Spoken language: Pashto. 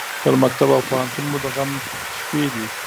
پر مکتب او پوهنتون مو د غم شپې دي